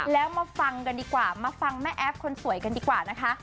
แล้วมาฟังกันดีกว่ามาฟังแม่แอฟคนสวยกันดีกว่านะคะ